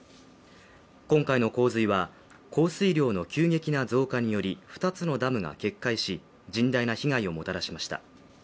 今回の洪水は、降水量の急激な増加により２つのダムが決壊し甚大な被害をもたらしました。